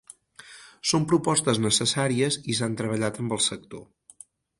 Són propostes necessàries i s’han treballat amb el sector.